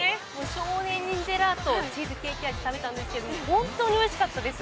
少年忍じぇらーとチーズケーキ味を食べたんですが本当においしかったです。